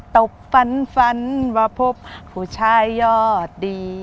ตบฝันฝันว่าพบผู้ชายยอดดี